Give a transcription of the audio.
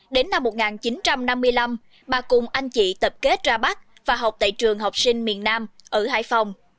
đến năm một nghìn chín trăm năm mươi năm bà cùng anh chị tập kết ra bắc và học tại trường học sinh miền nam ở hải phòng